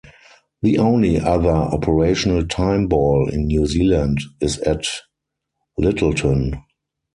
The only other operational time ball in New Zealand is at Lyttelton.